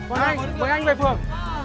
về anh về anh về phường